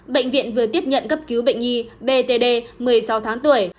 bệnh viện vừa tiếp nhận cấp cứu bệnh nhi b t d một mươi sáu tháng tuổi